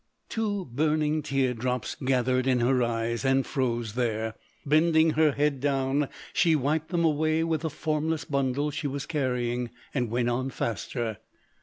Two burning tear drops gathered in her eyes, and froze there. Bending her head down, she wiped them away with the formless bundle she was carrying, and went on faster.